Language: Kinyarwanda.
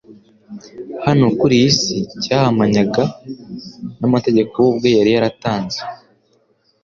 hano kuri iyi si cyahamanyaga n’amategeko we ubwe yari yaratanze,